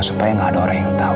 supaya gak ada orang yang tau